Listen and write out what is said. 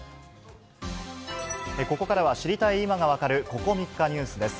ここからは知りたい今が分かるここ３日ニュースです。